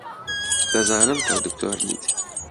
دەزانم تۆ دکتۆر نیت.